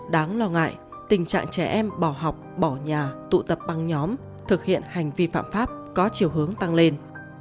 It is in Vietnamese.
đáng lo ngại tình trạng trẻ em bỏ học bỏ nhà tụ tập băng nhóm thực hiện hành vi phạm pháp có chiều hướng tăng lên